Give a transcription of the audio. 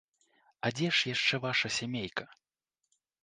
А дзе ж яшчэ ваша сямейка?